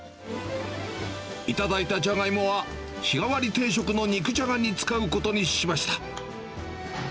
頂いたジャガイモは、日替わり定食の肉じゃがに使うことにしました。